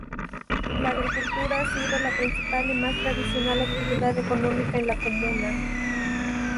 La agricultura ha sido la principal y más tradicional actividad económica en la comuna.